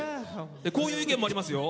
こういう意見もありますよ。